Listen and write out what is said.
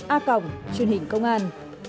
a cổng truyền hình công an